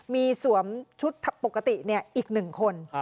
มีสวมชุดปกติเนี่ยอีก๑คน